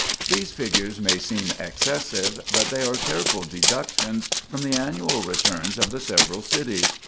These figures may seem excessive, but they are careful deductions from the annual returns of the several cities.